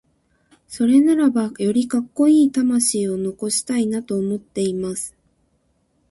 それならば、よりカッコイイ魂を残したいなと思っています。